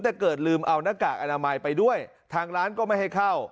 แต่เกิดลืมเอาหน้ากากอนามัยไปด้วยทางร้านก็ไม่ให้เข้า